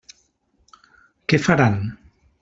Què faran?